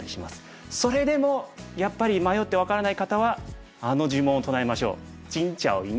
それでもやっぱり迷って分からない方はあの呪文を唱えましょう。